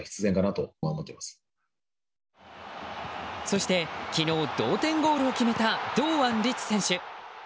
そして、昨日同点ゴールを決めた堂安律選手。